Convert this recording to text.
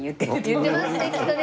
言ってますねきっとね